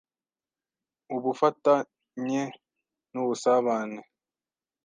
u b ufata n y e n’u b u s a b a n e